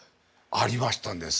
ありましたんです。